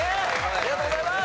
ありがとうございます。